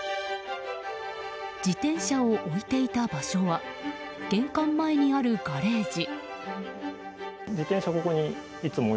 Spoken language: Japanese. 自転車を置いていた場所は玄関前にあるガレージ。